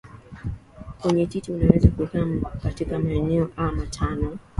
kwenye titi unaweza kukakaa katika maeneo aaa matano